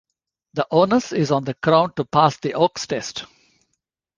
The onus is on the Crown to pass the Oakes test.